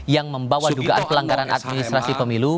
yang membawa dugaan pelanggaran administrasi pemilu